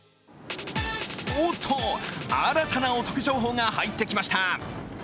おっと、新たなお得情報が入ってきました。